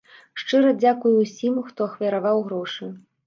Шчыра дзякую ўсім, хто ахвяраваў грошы.